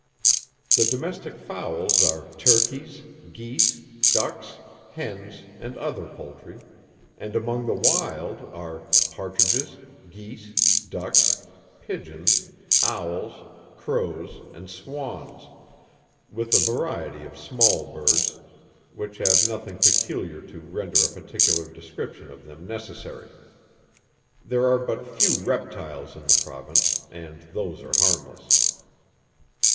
The domestic Fowls are Turkies, Geese, Ducks, Hens, and other Poultry; and among the wild are, Partridges, Geese, Ducks, Pigeons, Owls, Crows, and Swans; with a variety of small Birds, which have nothing peculiar to render a particular description of them necessary. There are but few reptiles in the Province, and those are harmless.